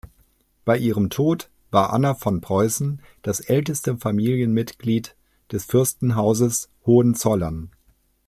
Bei ihrem Tod war Anna von Preußen das älteste Familienmitglied des Fürstenhauses Hohenzollern.